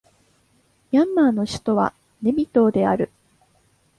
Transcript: ミャンマーの首都はネピドーである